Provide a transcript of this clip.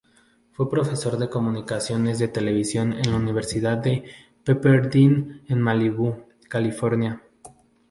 Fue profesor de comunicaciones de televisión en la Universidad de Pepperdine en Malibu, California.